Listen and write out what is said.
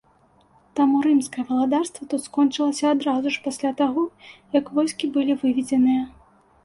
Таму рымскае валадарства тут скончылася адразу ж пасля таго, як войскі былі выведзеныя.